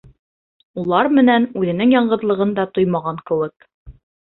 Улар менән үҙенең яңғыҙлығын да тоймаған кеүек.